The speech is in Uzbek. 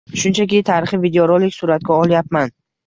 Shunchaki tarixiy videorolik suratga olyapman.